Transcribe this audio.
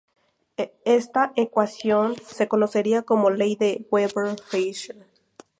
Esta ecuación se conocería como ley de Weber-Fechner.